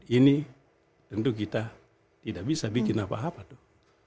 ini tentu kita tidak bisa bikin apa apa tuh